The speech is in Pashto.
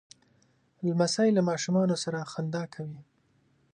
لمسی له ماشومانو سره خندا کوي.